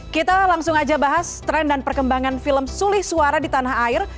kita langsung aja bahas tren dan perkembangan film sulih suara di tanah air